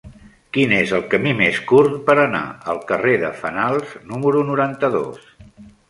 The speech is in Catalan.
Quin és el camí més curt per anar al carrer de Fenals número noranta-dos?